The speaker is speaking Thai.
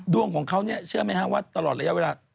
ดวงของเขาเนี่ยเชื่อไหมฮะว่าตลอดระยะเวลา